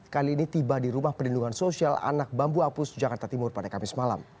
kali ini tiba di rumah perlindungan sosial anak bambu hapus jakarta timur pada kamis malam